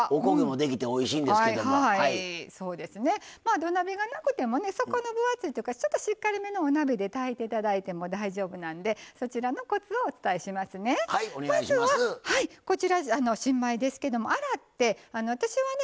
土鍋がなくても底の分厚いとかちょっと、しっかりめのお鍋で炊いていただいても大丈夫なんで、そちらもコツをお伝えしますね。